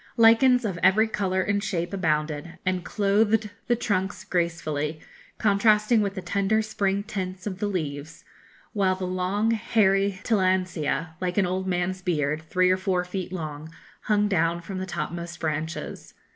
Lichens of every colour and shape abounded, and clothed the trunks gracefully, contrasting with the tender spring tints of the leaves, while the long hairy tillandsia, like an old man's beard, three or four feet long, hung down from the topmost branches.